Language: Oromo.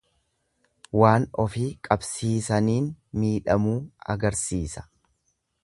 Waan ofii qabsiisaniin miidhamuu agarsiisa.